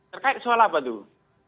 terkait soal apa tuh